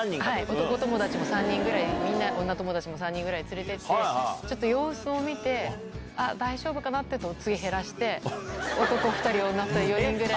男友達も３人ぐらい、みんな、女友達も３人ぐらい連れていって、ちょっと様子を見て、あっ、大丈夫かなってなったら次減らして、男２人、女２人４人ぐらい。